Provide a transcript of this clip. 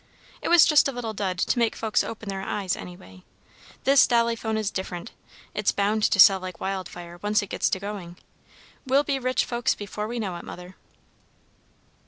"It was just a little dud to make folks open their eyes, any way. This Dolliphone is different. It's bound to sell like wild fire, once it gets to going. We'll be rich folks before we know it, Mother."